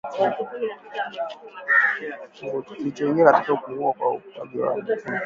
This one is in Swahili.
kilichangia katika kupungua kwa ukuaji wa uchumi